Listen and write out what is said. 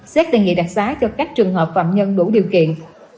xét đề nghị đặc xá cho các trường hợp phạm nhân đủ điều kiện